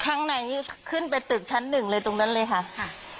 ข้างในนี้ขึ้นไปตึกชั้นหนึ่งเลยตรงนั้นเลยค่ะค่ะ